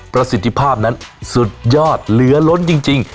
ประสิทธิภาพนั้นสุดยอดเหลือล้นจริง